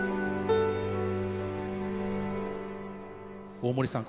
大森さん